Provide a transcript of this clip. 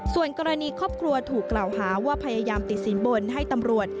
ส่วนกรณีครอบครัวถูกกล่าวหาว่าพยายามติดสินบนให้ตำรวจ